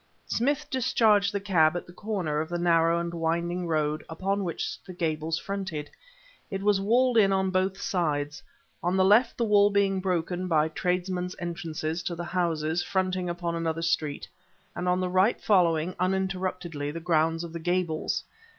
Smith discharged the cab at the corner of the narrow and winding road upon which the Gables fronted. It was walled in on both sides; on the left the wall being broken by tradesmen's entrances to the houses fronting upon another street, and on the right following, uninterruptedly, the grounds of the Gables.